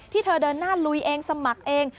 เธอเดินหน้าลุยเองสมัครเอง